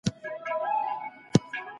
موږ بايد له يوه بل سره مرسته وکړو.